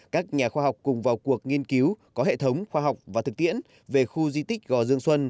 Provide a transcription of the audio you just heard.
các nhà khoa học cùng vào cuộc nghiên cứu có hệ thống khoa học và thực tiễn về khu di tích gò dương xuân